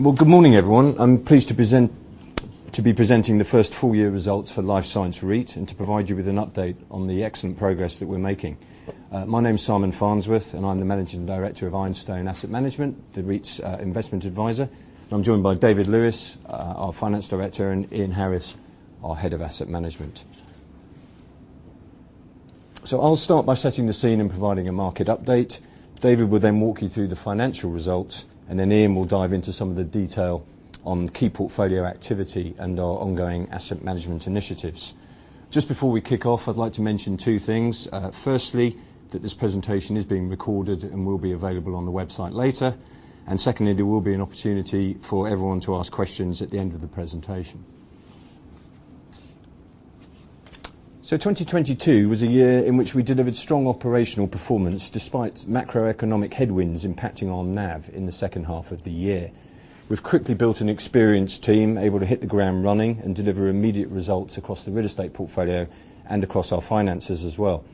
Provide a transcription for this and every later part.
Well, good morning, everyone. I'm pleased to be presenting the first full-year results for Life Science REIT and to provide you with an update on the excellent progress that we're making. My name's Simon Farnsworth, I'm the managing director of Ironstone Asset Management, the REIT's investment advisor. I'm joined by David Lewis, our finance director, and Ian Harris, our head of asset management. I'll start by setting the scene and providing a market update. David will walk you through the financial results, Ian will dive into some of the detail on key portfolio activity and our ongoing asset management initiatives. Just before we kick off, I'd like to mention two things. Firstly, that this presentation is being recorded and will be available on the website later. Secondly, there will be an opportunity for everyone to ask questions at the end of the presentation. 2022 was a year in which we delivered strong operational performance despite macroeconomic headwinds impacting our NAV in the second half of the year. We've quickly built an experienced team able to hit the ground running and deliver immediate results across the real estate portfolio and across our finances as well.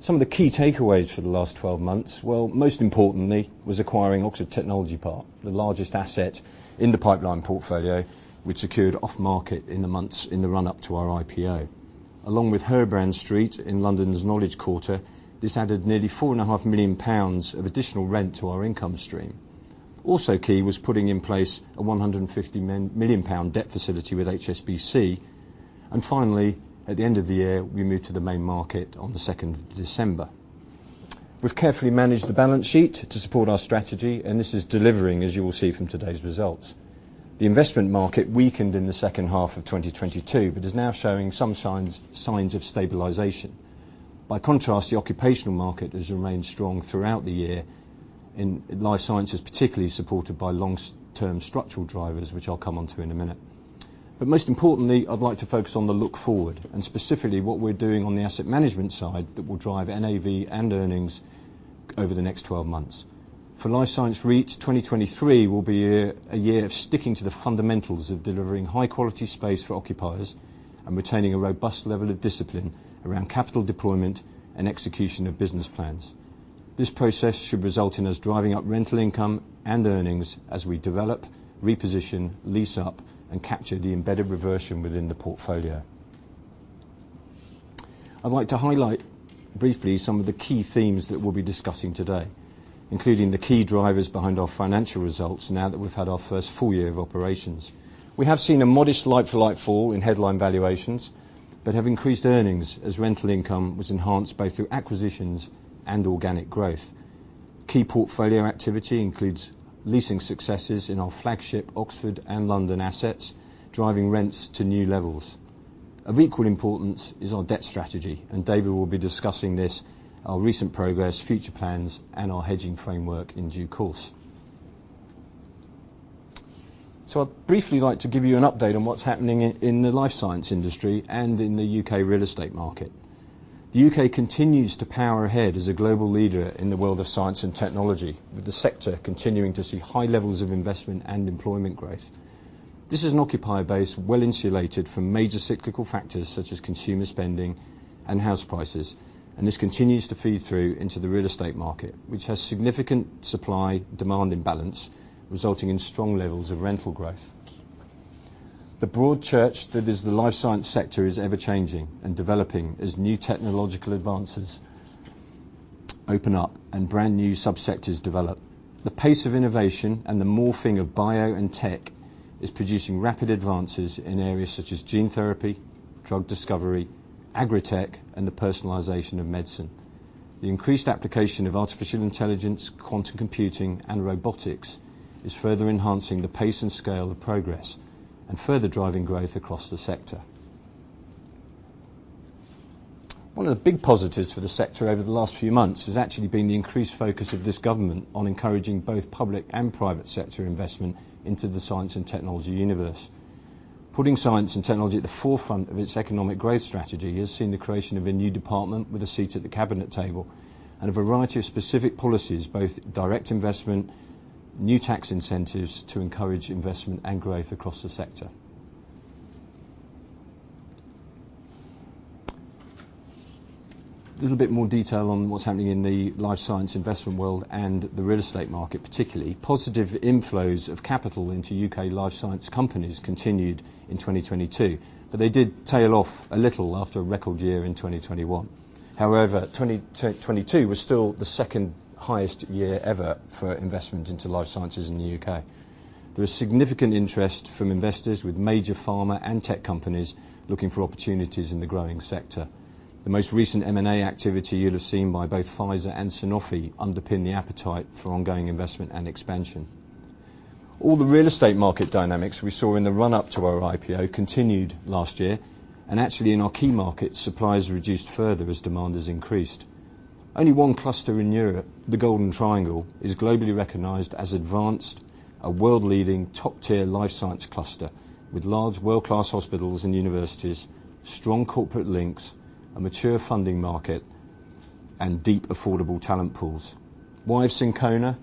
Some of the key takeaways for the last 12 months, well, most importantly, was acquiring Oxford Technology Park, the largest asset in the pipeline portfolio, which secured off market in the months in the run-up to our IPO. Along with Herbrand Street in London's Knowledge Quarter, this added nearly four and a half million pounds of additional rent to our income stream. Key was putting in place a 150 million pound debt facility with HSBC. Finally, at the end of the year, we moved to the main market on the 2nd of December. We've carefully managed the balance sheet to support our strategy, and this is delivering, as you will see from today's results. The investment market weakened in the second half of 2022 but is now showing some signs of stabilization. By contrast, the occupational market has remained strong throughout the year, in life sciences, particularly supported by long-term structural drivers, which I'll come onto in a minute. Most importantly, I'd like to focus on the look forward and specifically what we're doing on the asset management side that will drive NAV and earnings over the next 12 months. For Life Science REIT, 2023 will be a year of sticking to the fundamentals of delivering high-quality space for occupiers and retaining a robust level of discipline around capital deployment and execution of business plans. This process should result in us driving up rental income and earnings as we develop, reposition, lease up, and capture the embedded reversion within the portfolio. I'd like to highlight briefly some of the key themes that we'll be discussing today, including the key drivers behind our financial results now that we've had our first full year of operations. We have seen a modest like-for-like fall in headline valuations but have increased earnings as rental income was enhanced both through acquisitions and organic growth. Key portfolio activity includes leasing successes in our flagship Oxford and London assets, driving rents to new levels. Of equal importance is our debt strategy, and David will be discussing this, our recent progress, future plans, and our hedging framework in due course. I'd briefly like to give you an update on what's happening in the life science industry and in the U.K. real estate market. The U.K., continues to power ahead as a global leader in the world of science and technology, with the sector continuing to see high levels of investment and employment growth. This is an occupier base well-insulated from major cyclical factors such as consumer spending and house prices, and this continues to feed through into the real estate market, which has significant supply-demand imbalance, resulting in strong levels of rental growth. The broad church that is the life science sector is ever-changing and developing as new technological advances open up and brand-new subsectors develop. The pace of innovation and the morphing of bio and tech is producing rapid advances in areas such as gene therapy, drug discovery, agritech, and the personalization of medicine. The increased application of artificial intelligence, quantum computing, and robotics is further enhancing the pace and scale of progress and further driving growth across the sector. One of the big positives for the sector over the last few months has actually been the increased focus of this government on encouraging both public and private sector investment into the science and technology universe. Putting science and technology at the forefront of its economic growth strategy has seen the creation of a new department with a seat at the Cabinet table and a variety of specific policies, both direct investment, new tax incentives to encourage investment and growth across the sector. A little bit more detail on what's happening in the life science investment world and the real estate market, particularly. Positive inflows of capital into UK life science companies continued in 2022, but they did tail off a little after a record year in 2021. However, 2022 was still the second highest year ever for investment into life sciences in the U.K., there was significant interest from investors with major pharma and tech companies looking for opportunities in the growing sector. The most recent M&A activity you'll have seen by both Pfizer and Sanofi underpin the appetite for ongoing investment and expansion. All the real estate market dynamics we saw in the run-up to our IPO continued last year, and actually in our key markets, suppliers reduced further as demand has increased. Only one cluster in Europe, the Golden Triangle, is globally recognized as advanced, a world-leading, top-tier life science cluster with large world-class hospitals and universities, strong corporate links, a mature funding market, and deep, affordable talent pools. Syncona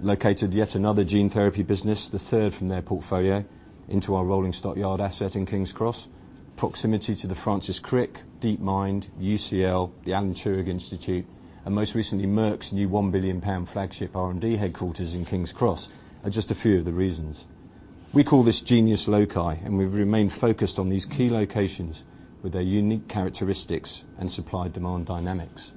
located yet another gene therapy business, the third from their portfolio, into our Rolling Stock Yard asset in King's Cross. Proximity to the Francis Crick, DeepMind, UCL, the Alan Turing Institute, and most recently, Merck's new one billion pound flagship R&D headquarters in King's Cross are just a few of the reasons. We call this genius loci. We've remained focused on these key locations with their unique characteristics and supply-demand dynamics.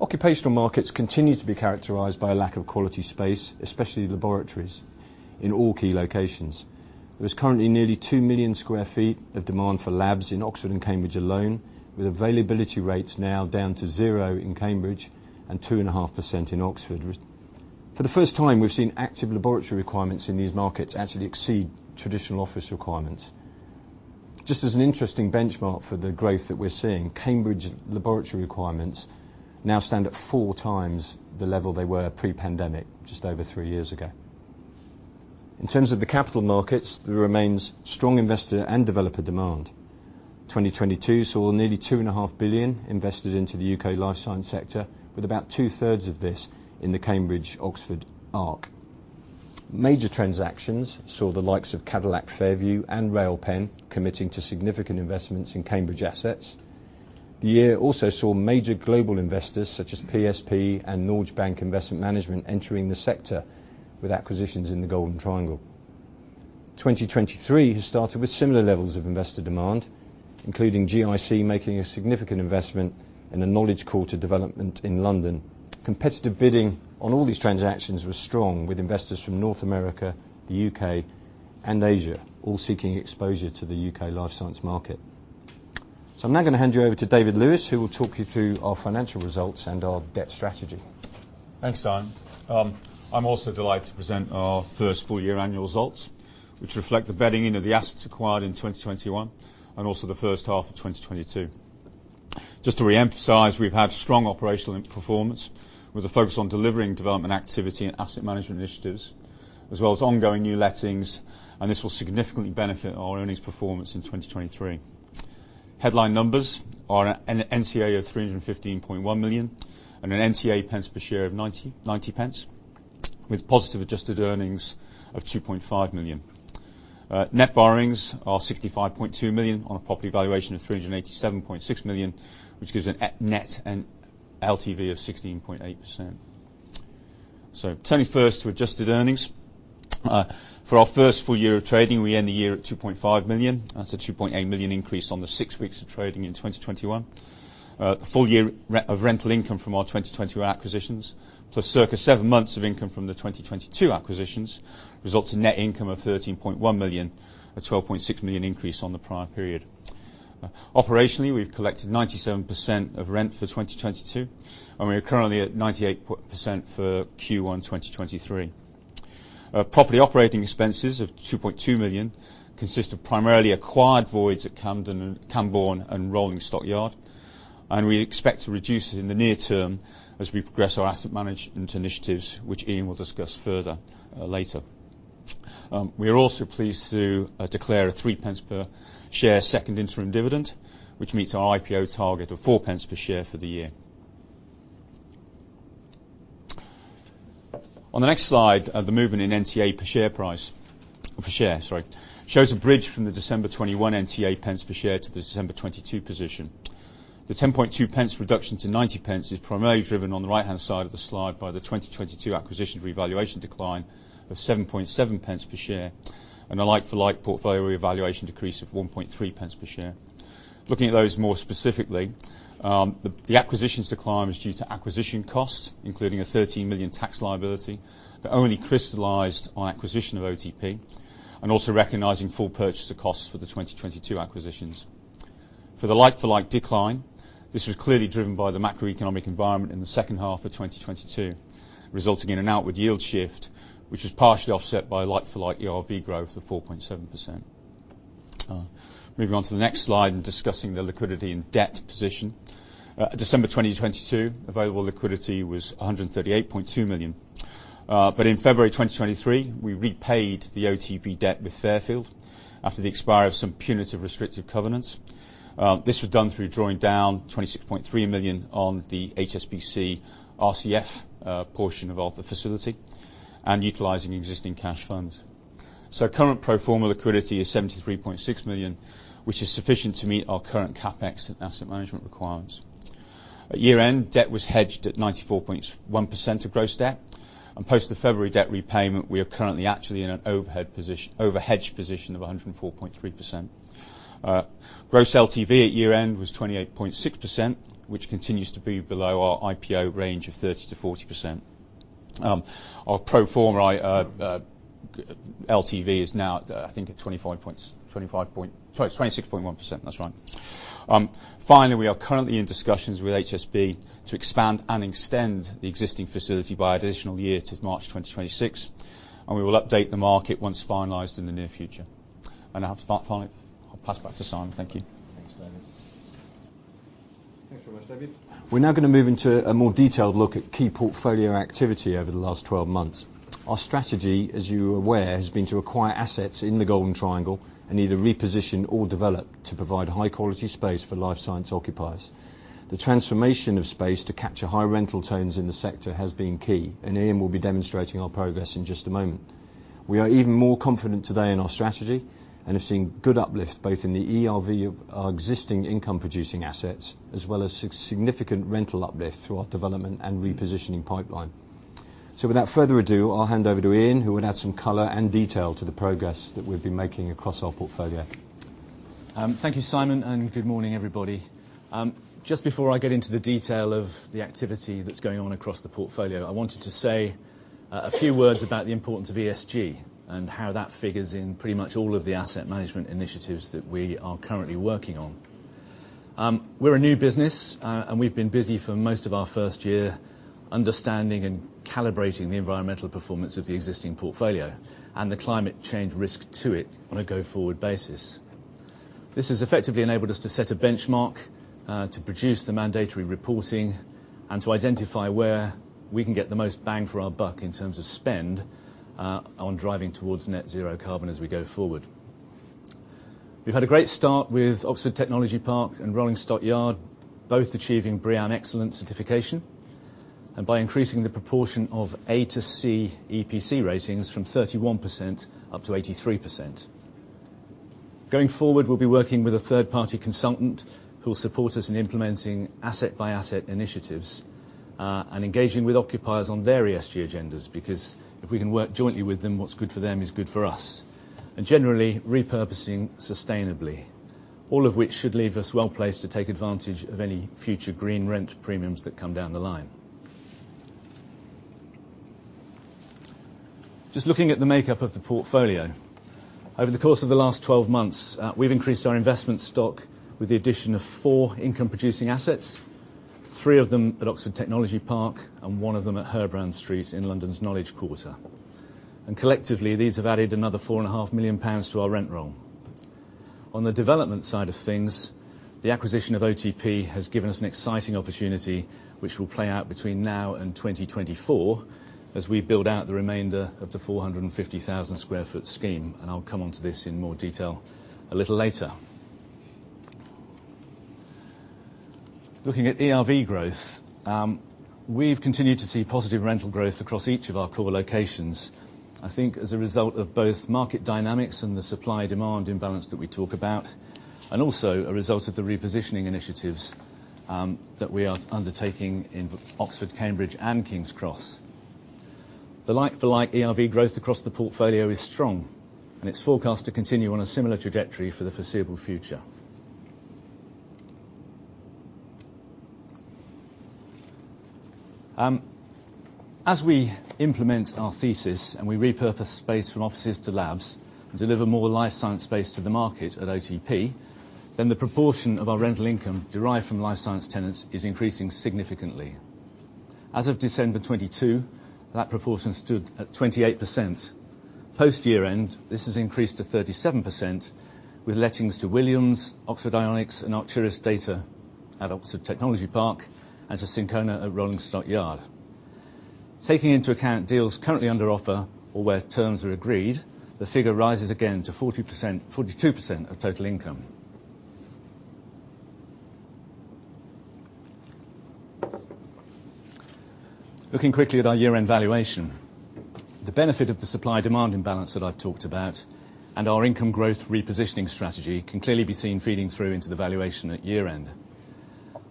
Occupational markets continue to be characterized by a lack of quality space, especially laboratories in all key locations. There is currently nearly two million sq ft of demand for labs in Oxford and Cambridge alone, with availability rates now down to 0 in Cambridge and 2.5% in Oxford. For the first time, we've seen active laboratory requirements in these markets actually exceed traditional office requirements. Just as an interesting benchmark for the growth that we're seeing, Cambridge laboratory requirements now stand at four times the level they were pre-pandemic just over three years ago. In terms of the capital markets, there remains strong investor and developer demand. 2022 saw nearly 2.5 billion invested into the U.K. life science sector, with about two-thirds of this in the Cambridge Oxford arc. Major transactions saw the likes of Cadillac Fairview and Railpen committing to significant investments in Cambridge assets. The year also saw major global investors such as PSP and Norges Bank Investment Management entering the sector with acquisitions in the Golden Triangle. 2023 has started with similar levels of investor demand, including GIC making a significant investment in the Knowledge Quarter development in London. Competitive bidding on all these transactions was strong with investors from North America, the U.K., and Asia, all seeking exposure to the U.K. life science market. I'm now gonna hand you over to David Lewis, who will talk you through our financial results and our debt strategy. Thanks, Simon. I'm also delighted to present our first full year annual results, which reflect the bedding in of the assets acquired in 2021 and also the first half of 2022. Just to reemphasize, we've had strong operational performance with a focus on delivering development activity and asset management initiatives, as well as ongoing new lettings. This will significantly benefit our earnings performance in 2023. Headline numbers are an NTA of 315.1 million and an NTA pence per share of 0.90, with positive adjusted earnings of 2.5 million. Net borrowings are 65.2 million on a property valuation of 387.6 million, which gives a net and LTV of 16.8%. Turning first to adjusted earnings. For our first full year of trading, we end the year at 2.5 million. That's a 2.8 million increase on the six weeks of trading in 2021. The full year of rental income from our 2020 acquisitions plus circa seven months of income from the 2022 acquisitions results in net income of 13.1 million, a 12.6 million increase on the prior period. Operationally, we've collected 97% of rent for 2022, and we are currently at 98% for Q1, 2023. Property operating expenses of 2.2 million consist of primarily acquired voids at Camden, Cambourne and Rolling Stock Yard, and we expect to reduce it in the near-term as we progress our asset management initiatives, which Ian will discuss further later. We are also pleased to declare a 0.03 per share second interim dividend, which meets our IPO target of 0.04 per share for the year. On the next slide, the movement in NTA per share, sorry, shows a bridge from the December 21 NTA pence per share to the December 22 position. The 0.102 reduction to 0.90 is primarily driven on the right-hand side of the slide by the 2022 acquisition revaluation decline of 0.077 per share and a like-for-like portfolio revaluation decrease of 0.013 per share. Looking at those more specifically, the acquisitions decline was due to acquisition costs, including a 30 million tax liability that only crystallized on acquisition of OTP and also recognizing full purchase of costs for the 2022 acquisitions. For the like-for-like decline, this was clearly driven by the macroeconomic environment in the second half of 2022, resulting in an outward yield shift, which is partially offset by like-for-like ERV growth of 4.7%. Moving on to the next slide and discussing the liquidity and debt position. December 2022, available liquidity was 138.2 million. In February 2023, we repaid the OTP debt with Fairfield after the expiry of some punitive restrictive covenants. This was done through drawing down 26.3 million on the HSBC RCF portion of the facility and utilizing existing cash funds. Current pro forma liquidity is 73.6 million, which is sufficient to meet our current CapEx and asset management requirements. At year-end, debt was hedged at 94.1% of gross debt. Post the February debt repayment, we are currently in an overhedged position of 104.3%. Gross LTV at year-end was 28.6%, which continues to be below our IPO range of 30%-40%. Our pro forma LTV is now at, sorry, 26.1%. That's right. Finally, we are currently in discussions with HSBC to expand and extend the existing facility by additional year to March 2026, and we will update the market once finalized in the near future. Finally, I'll pass back to Simon. Thank you. Thanks, David. Thanks very much, David. We're now gonna move into a more detailed look at key portfolio activity over the last 12 months. Our strategy, as you're aware, has been to acquire assets in the Golden Triangle and either reposition or develop to provide high-quality space for life science occupiers. The transformation of space to capture high rental tones in the sector has been key. Ian will be demonstrating our progress in just a moment. We are even more confident today in our strategy and have seen good uplift both in the ERV of our existing income producing assets, as well as significant rental uplift through our development and repositioning pipeline. Without further ado, I'll hand over to Ian, who will add some color and detail to the progress that we've been making across our portfolio. Thank you, Simon, good morning, everybody. Just before I get into the detail of the activity that's going on across the portfolio, I wanted to say a few words about the importance of ESG and how that figures in pretty much all of the asset management initiatives that we are currently working on. We're a new business, we've been busy for most of our first year understanding and calibrating the environmental performance of the existing portfolio and the climate change risk to it on a go-forward basis. This has effectively enabled us to set a benchmark, to produce the mandatory reporting and to identify where we can get the most bang for our buck in terms of spend on driving towards net zero carbon as we go forward. We've had a great start with Oxford Technology Park and Rolling Stock Yard, both achieving BREEAM Excellent certification, and by increasing the proportion of A to C EPC ratings from 31% up to 83%. Going forward, we'll be working with a third-party consultant who will support us in implementing asset by asset initiatives, and engaging with occupiers on their ESG agendas because if we can work jointly with them, what's good for them is good for us. Generally, repurposing sustainably, all of which should leave us well-placed to take advantage of any future green rent premiums that come down the line. Just looking at the makeup of the portfolio. Over the course of the last 12 months, we've increased our investment stock with the addition of four income-producing assets, three of them at Oxford Technology Park and one of them at Herbrand Street in London's Knowledge Quarter. Collectively, these have added another four and a half million GBP to our rent roll. On the development side of things, the acquisition of OTP has given us an exciting opportunity which will play out between now and 2024 as we build out the remainder of the 450,000 sq ft scheme, I'll come onto this in more detail a little later. Looking at ERV growth, we've continued to see positive rental growth across each of our core locations. I think as a result of both market dynamics and the supply-demand imbalance that we talk about, and also a result of the repositioning initiatives that we are undertaking in Oxford, Cambridge, and King's Cross. The like-for-like ERV growth across the portfolio is strong, and it's forecast to continue on a similar trajectory for the foreseeable future. As we implement our thesis and we repurpose space from offices to labs and deliver more life science space to the market at OTP, then the proportion of our rental income derived from life science tenants is increasing significantly. As of December 2022, that proportion stood at 28%. Post-year end, this has increased to 37% with lettings to Williams, Oxford Ionics, and Arcturis Data at Oxford Technology Park and to Syncona at Rolling Stock Yard. Taking into account deals currently under offer or where terms are agreed, the figure rises again to 42% of total income. Looking quickly at our year-end valuation. The benefit of the supply-demand imbalance that I've talked about and our income growth repositioning strategy can clearly be seen feeding through into the valuation at year end.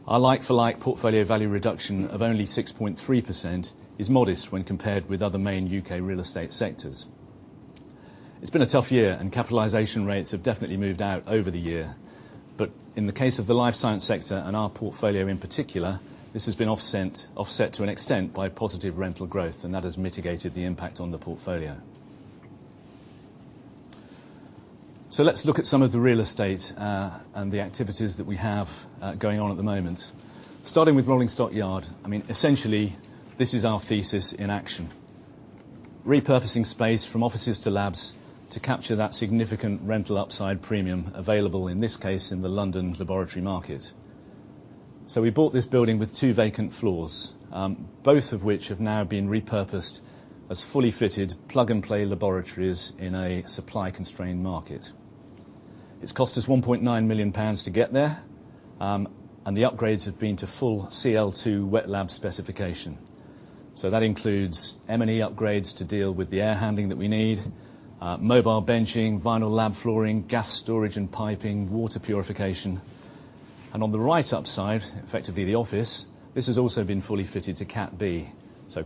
Our like-for-like portfolio value reduction of only 6.3% is modest when compared with other main U.K. real estate sectors. It's been a tough year, capitalization rates have definitely moved out over the year. In the case of the life science sector and our portfolio in particular, this has been offset to an extent by positive rental growth, and that has mitigated the impact on the portfolio. Let's look at some of the real estate and the activities that we have going on at the moment. Starting with Rolling Stock Yard, I mean, essentially, this is our thesis in action. Repurposing space from offices to labs to capture that significant rental upside premium available, in this case, in the London laboratory market. We bought this building with two vacant floors, both of which have now been repurposed as fully fitted plug-and-play laboratories in a supply-constrained market. It's cost us 1.9 million pounds to get there, and the upgrades have been to full CL2 wet lab specification. That includes M&E upgrades to deal with the air handling that we need, mobile benching, vinyl lab flooring, gas storage and piping, water purification. On the right upside, effectively the office, this has also been fully fitted to Cat B.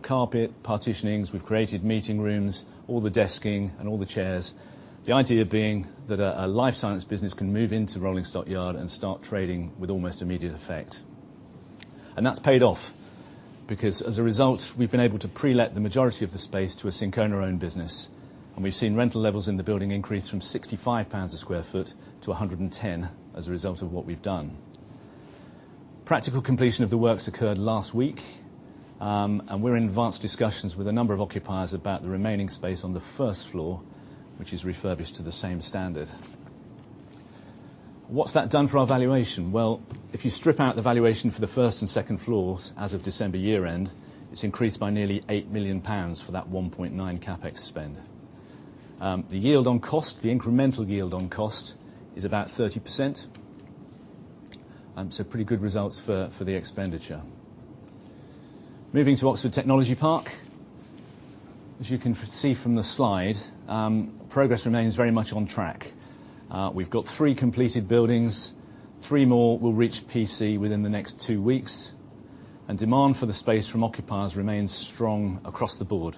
Carpet, partitionings, we've created meeting rooms, all the desking and all the chairs. The idea being that a life science business can move into Rolling Stock Yard and start trading with almost immediate effect. That's paid off because, as a result, we've been able to pre-let the majority of the space to a Syncona-owned business, and we've seen rental levels in the building increase from 65 pounds a square foot to 110 as a result of what we've done. Practical completion of the works occurred last week, and we're in advanced discussions with a number of occupiers about the remaining space on the first floor, which is refurbished to the same standard. What's that done for our valuation? Well, if you strip out the valuation for the first and second floors as of December year-end, it's increased by nearly eight million pounds for that 1.9 CapEx spend. The yield on cost, the incremental yield on cost is about 30%. So pretty good results for the expenditure. Moving to Oxford Technology Park. As you can see from the slide, progress remains very much on track. We've got three completed buildings. Three more will reach PC within the next two weeks. Demand for the space from occupiers remains strong across the board.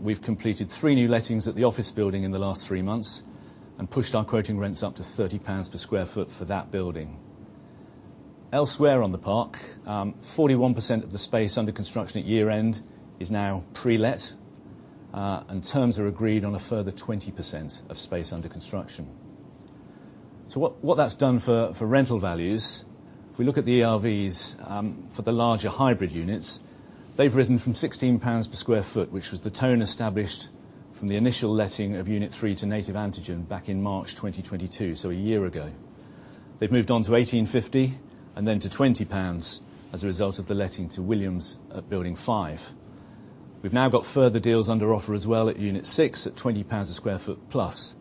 We've completed three new lettings at the office building in the last three months, and pushed our quoting rents up to 30 pounds per sq ft for that building. Elsewhere on the park, 41% of the space under construction at year-end is now pre-let. Terms are agreed on a further 20% of space under construction. What that's done for rental values, if we look at the ERVs for the larger hybrid units, they've risen from 16 pounds per sq ft, which was the tone established from the initial letting of unit three to Native Antigen back in March 2022, so a year ago. They've moved on to 18.50, and then to 20 pounds as a result of the letting to Williams at building five. We've now got further deals under offer as well at unit six at 20 pounds a sq ft plus.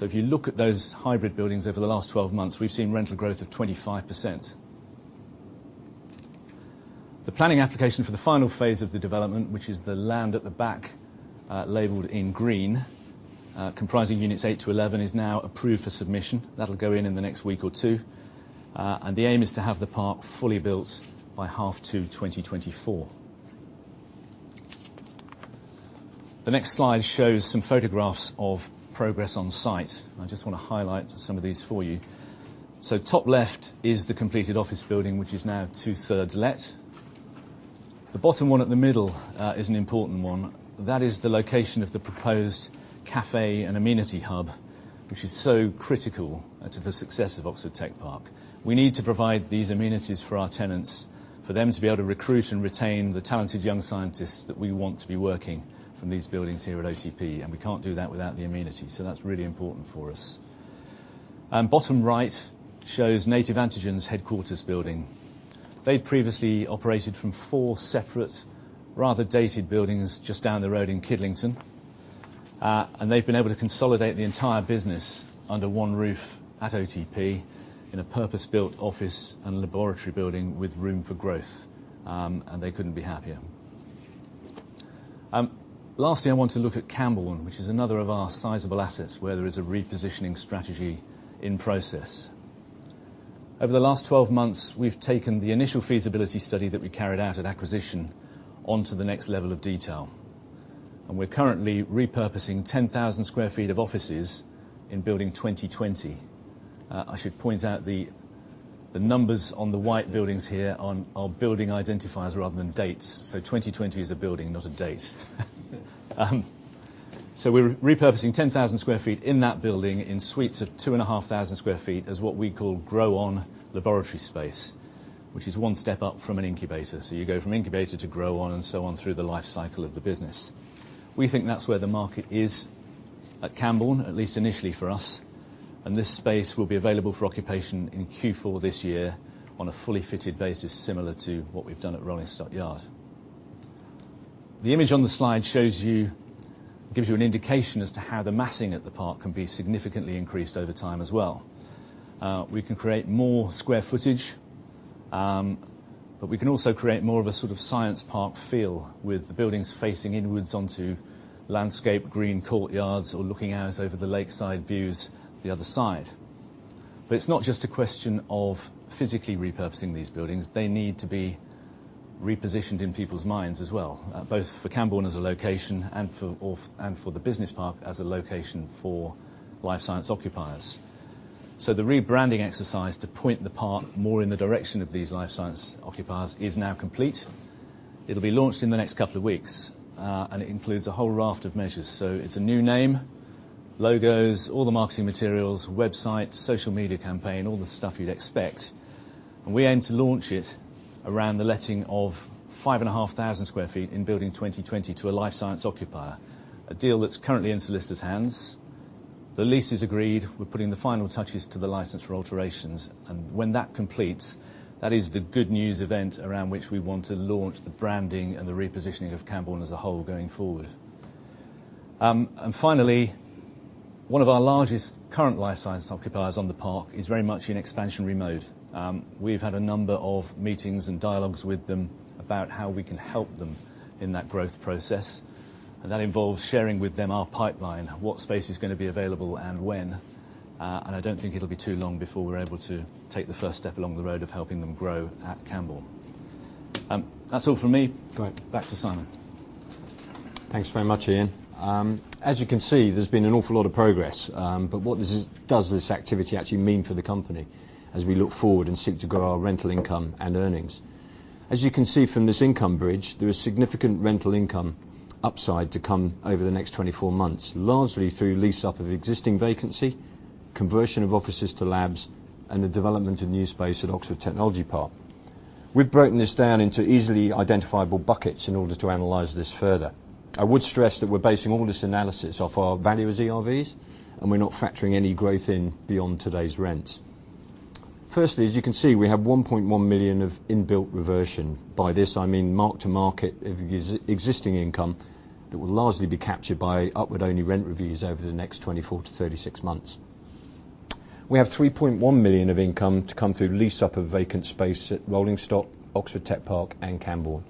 If you look at those hybrid buildings over the last 12 months, we've seen rental growth of 25%. The planning application for the final phase of the development, which is the land at the back, labeled in green, comprising units 8 to 11, is now approved for submission. That'll go in in the next week or two. The aim is to have the park fully built by half to 2024. The next slide shows some photographs of progress on site, and I just wanna highlight some of these for you. Top left is the completed office building, which is now two-thirds let. The bottom one at the middle is an important one. That is the location of the proposed cafe and amenity hub, which is so critical to the success of Oxford Technology Park. We need to provide these amenities for our tenants, for them to be able to recruit and retain the talented young scientists that we want to be working from these buildings here at OTP, we can't do that without the amenities. That's really important for us. Bottom right shows Native Antigen's headquarters building. They'd previously operated from four separate, rather dated buildings just down the road in Kidlington. They've been able to consolidate the entire business under one roof at OTP in a purpose-built office and laboratory building with room for growth. They couldn't be happier. Lastly, I want to look at Cambourne, which is another of our sizable assets where there is a repositioning strategy in process. Over the last 12 months, we've taken the initial feasibility study that we carried out at acquisition onto the next level of detail. We're currently repurposing 10,000 sq ft of offices in building 2020. I should point out the numbers on the white buildings here are building identifiers rather than dates. 2020 is a building, not a date. We're repurposing 10,000 sq ft in that building in suites of 2,500 sq ft as what we call grow-on laboratory space, which is one step up from an incubator. You go from incubator to grow-on and so on through the life cycle of the business. We think that's where the market is at Cambourne, at least initially for us. This space will be available for occupation in Q4 this year on a fully fitted basis similar to what we've done at Rolling Stock Yard. The image on the slide gives you an indication as to how the massing at the park can be significantly increased over time as well. We can create more square footage, but we can also create more of a sort of science park feel with the buildings facing inwards onto landscaped green courtyards or looking out over the lakeside views the other side. It's not just a question of physically repurposing these buildings. They need to be repositioned in people's minds as well, both for Cambourne as a location and for the business park as a location for life science occupiers. The rebranding exercise to point the park more in the direction of these life science occupiers is now complete. It'll be launched in the next couple of weeks, and it includes a whole raft of measures. It's a new name, logos, all the marketing materials, website, social media campaign, all the stuff you'd expect. We aim to launch it around the letting of 5,500 sq ft in Building 2020 to a life science occupier, a deal that's currently in solicitor's hands. The lease is agreed. We're putting the final touches to the license for alterations, and when that completes, that is the good news event around which we want to launch the branding and the repositioning of Cambourne as a whole going forward. Finally, one of our largest current life science occupiers on the park is very much in expansionary mode. We've had a number of meetings and dialogues with them about how we can help them in that growth process. That involves sharing with them our pipeline, what space is gonna be available and when. I don't think it'll be too long before we're able to take the first step along the road of helping them grow at Cambourne. That's all from me. Go ahead. Back to Simon. Thanks very much, Ian. As you can see, there's been an awful lot of progress. What does this activity actually mean for the company as we look forward and seek to grow our rental income and earnings? As you can see from this income bridge, there is significant rental income upside to come over the next 24 months, largely through lease-up of existing vacancy, conversion of offices to labs, and the development of new space at Oxford Technology Park. We've broken this down into easily identifiable buckets in order to analyze this further. I would stress that we're basing all this analysis off our value as ERVs, and we're not factoring any growth in beyond today's rents. Firstly, as you can see, we have 1.1 million of inbuilt reversion. By this, I mean mark to market existing income. That will largely be captured by upward-only rent reviews over the next 24-36 months. We have 3.1 million of income to come through lease up of vacant space at Rolling Stock, Oxford Technology Park and Cambourne.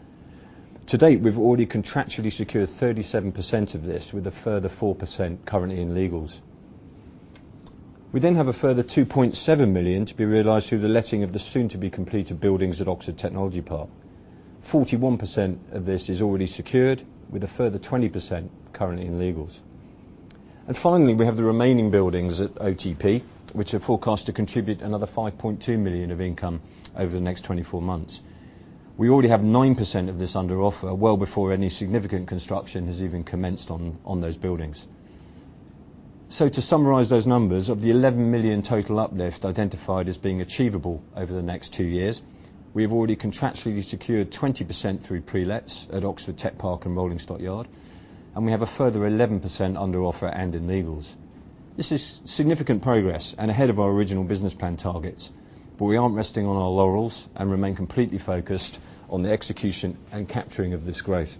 To date, we've already contractually secured 37% of this with a further 4% currently in legals. We have a further 2.7 million to be realized through the letting of the soon-to-be-completed buildings at Oxford Technology Park. 41% of this is already secured, with a further 20% currently in legals. Finally, we have the remaining buildings at OTP, which are forecast to contribute another 5.2 million of income over the next 24 months. We already have 9% of this under offer, well before any significant construction has even commenced on those buildings. To summarize those numbers, of the 11 million total uplift identified as being achievable over the next two years, we have already contractually secured 20% through pre-lets at Oxford Tech Park and Rolling Stock Yard, and we have a further 11% under offer and in legals. This is significant progress and ahead of our original business plan targets, we aren't resting on our laurels and remain completely focused on the execution and capturing of this growth.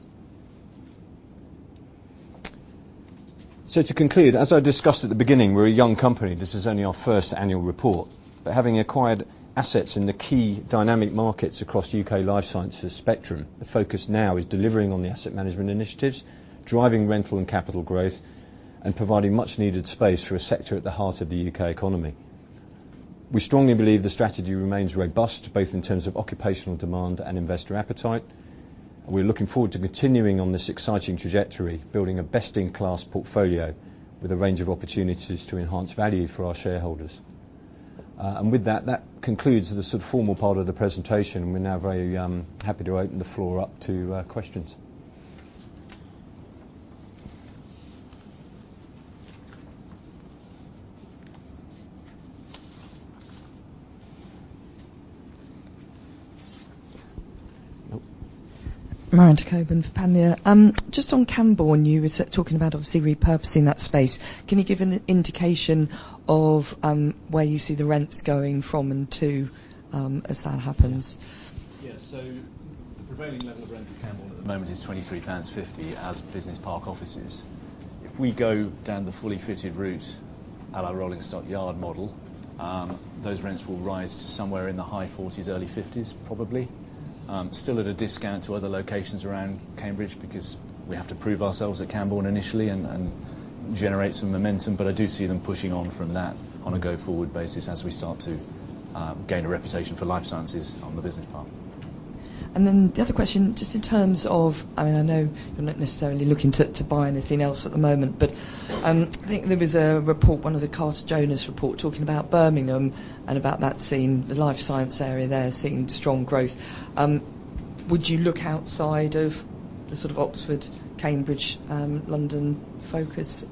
To conclude, as I discussed at the beginning, we're a young company. This is only our first annual report. Having acquired assets in the key dynamic markets across the UK life sciences spectrum, the focus now is delivering on the asset management initiatives, driving rental and capital growth, and providing much needed space for a sector at the heart of the U.K. economy. We strongly believe the strategy remains robust, both in terms of occupational demand and investor appetite. We're looking forward to continuing on this exciting trajectory, building a best-in-class portfolio with a range of opportunities to enhance value for our shareholders. With that concludes the sort of formal part of the presentation. We're now very happy to open the floor up to questions. Miranda Cockburn for Panmure. Just on Cambourne, you were talking about obviously repurposing that space. Can you give an indication of where you see the rents going from and to as that happens? The prevailing level of rent at Cambourne at the moment is 23.50 pounds as business park offices. If we go down the fully fitted route at our Rolling Stock Yard model, those rents will rise to somewhere in the high 40s, early 50s, probably. Still at a discount to other locations around Cambridge because we have to prove ourselves at Cambourne initially and generate some momentum. I do see them pushing on from that on a go-forward basis as we start to gain a reputation for life sciences on the business park. The other question, just in terms of, I mean, I know you're not necessarily looking to buy anything else at the moment, but, I think there is a report, one of the Cast Jonas report, talking about Birmingham and about that scene, the life science area there seeing strong growth. Would you look outside of the sort of Oxford, Cambridge, London focus?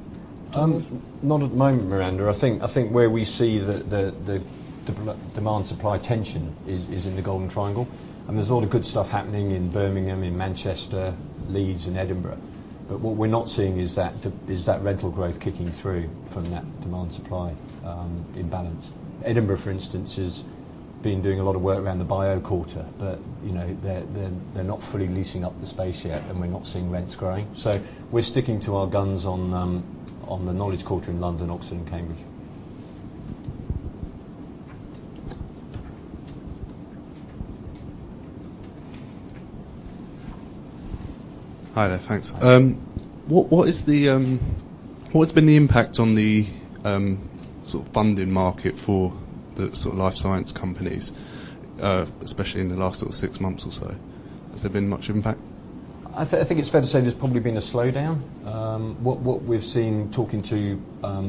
Not at the moment, Miranda. I think where we see the demand supply tension is in the Golden Triangle. There's a lot of good stuff happening in Birmingham, in Manchester, Leeds and Edinburgh. What we're not seeing is that rental growth kicking through from that demand supply imbalance. Edinburgh, for instance, has been doing a lot of work around the BioQuarter, but, you know, they're not fully leasing up the space yet, and we're not seeing rents growing. We're sticking to our guns on the Knowledge Quarter in London, Oxford and Cambridge. Hi there. Thanks. What is the, what has been the impact on the sort of funding market for the sort of life science companies, especially in the last sort of six months or so? Has there been much impact? I think it's fair to say there's probably been a slowdown. What we've seen talking to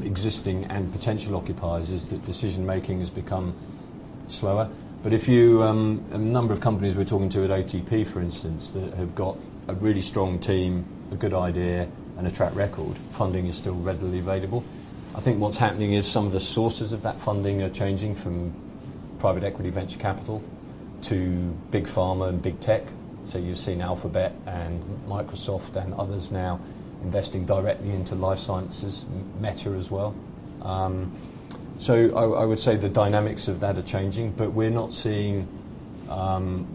existing and potential occupiers is that decision-making has become slower. A number of companies we're talking to at ATP, for instance, that have got a really strong team, a good idea and a track record, funding is still readily available. I think what's happening is some of the sources of that funding are changing from private equity venture capital to big pharma and big tech. You're seeing Alphabet and Microsoft and others now investing directly into life sciences, Meta as well. I would say the dynamics of that are changing, but we're not seeing,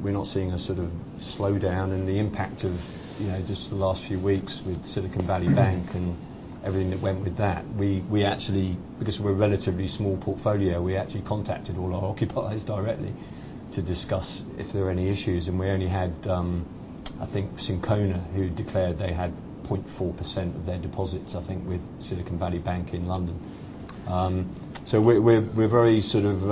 we're not seeing a sort of slowdown and the impact of, you know, just the last few weeks with Silicon Valley Bank and everything that went with that. We actually, because we're a relatively small portfolio, we actually contacted all our occupiers directly to discuss if there are any issues. We only had, I think Syncona who declared they had 0.4% of their deposits, I think, with Silicon Valley Bank in London. We're very sort of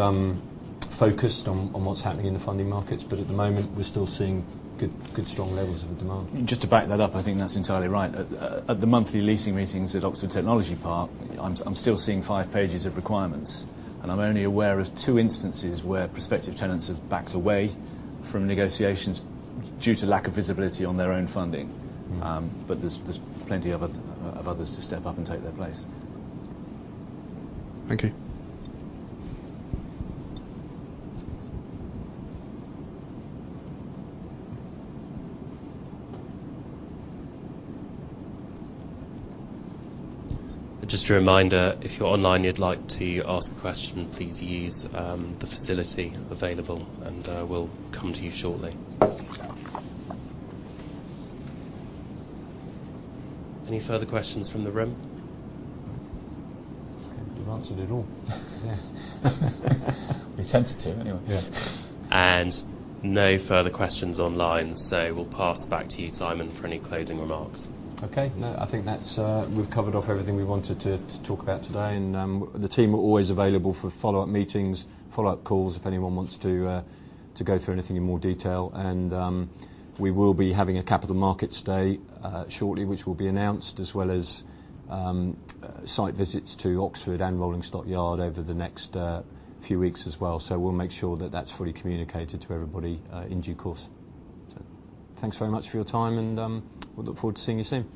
focused on what's happening in the funding markets. At the moment, we're still seeing good strong levels of demand. Just to back that up, I think that's entirely right. At the monthly leasing meetings at Oxford Technology Park, I'm still seeing five pages of requirements, and I'm only aware of two instances where prospective tenants have backed away from negotiations due to lack of visibility on their own funding. There's plenty of others to step up and take their place. Thank you. Just a reminder, if you're online, you'd like to ask a question, please use the facility available, and we'll come to you shortly. Any further questions from the room? You've answered it all. Yeah. We attempted to anyway. Yeah. No further questions online. So we'll pass back to you, Simon, for any closing remarks. Okay. No, I think that's, we've covered off everything we wanted to talk about today. The team are always available for follow-up meetings, follow-up calls, if anyone wants to go through anything in more detail. We will be having a capital markets day shortly, which will be announced, as well as site visits to Oxford and Rolling Stock Yard over the next few weeks as well. We'll make sure that that's fully communicated to everybody in due course. Thanks very much for your time, and we look forward to seeing you soon.